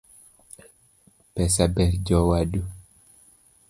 Pesa ber jowadu